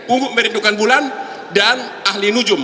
untuk merindukan bulan dan ahli nujum